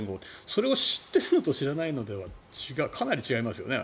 それを知っているのと知らないのではかなり違いますよね。